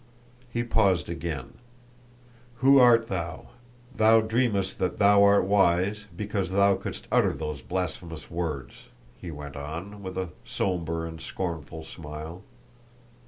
He paused again. "Who art thou? Thou dreamest that thou art wise because thou couldst utter those blasphemous words," he went on, with a somber and scornful smile.